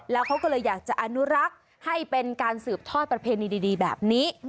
แล้วเขาก็เลยอยากจะอนุรักษ์ให้เป็นการสืบทอดประเพณีดีแบบนี้